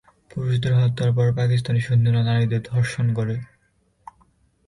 পুরুষদের হত্যার পর, পাকিস্তানি সৈন্যরা নারীদের ধর্ষণ করে।